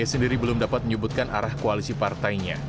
ia sendiri belum dapat menyebutkan arah koalisi partainya